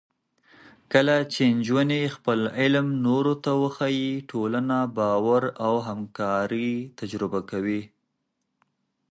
کله چې نجونې خپل علم نورو ته وښيي، ټولنه باور او همکارۍ تجربه کوي.